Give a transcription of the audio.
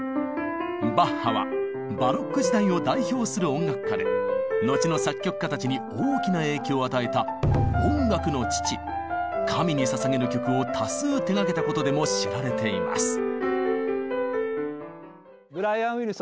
バッハはバロック時代を代表する音楽家で後の作曲家たちに大きな影響を与えた神にささげる曲を多数手がけたことでも知られています。